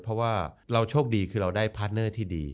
เพราะว่าเราโชคดีคือเราได้พาร์ทเนอร์ที่ดี